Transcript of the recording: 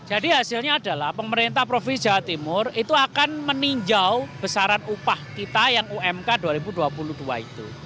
jadi hasilnya adalah pemerintah provinsi jawa timur itu akan meninjau besaran upah kita yang umk dua ribu dua puluh dua itu